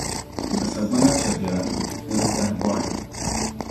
Ka sagbana chɛ biɛla ni di tahibɔɣi.